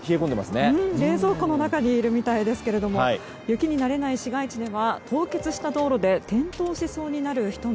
冷蔵庫の中にいるみたいですけれども雪に慣れない市街地では凍結した道路で転倒しそうになる人も。